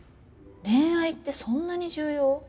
恋愛ってそんなに重要？